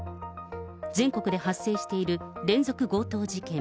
全国で発生している連続強盗事件。